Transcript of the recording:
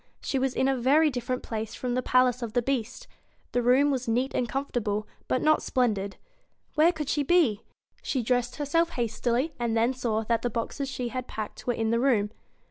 She was in a very different BEAST place f rom the p a i ace O f the Beast. The room was neat and comfortable, but not splendid. Where could she be ? She dressed herself hastily, and then saw that the boxes she had packed were in the room.